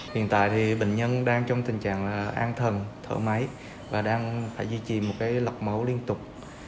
hiện tại thì bệnh nhân đang trong tình trạng an thần thở máy và đang phải duy trì một cái lọc máu liên tục